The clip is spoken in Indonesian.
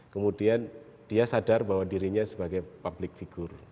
kemudian dia sadar bahwa dirinya sebagai public figure